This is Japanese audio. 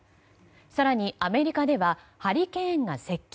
更にアメリカではハリケーンが接近。